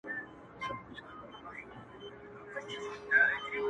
هر څوک خپله کيسه وايي تل،